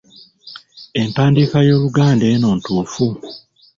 Empandiika y’Oluganda eno ntuufu?